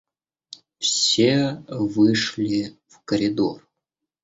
Все вышли в коридор.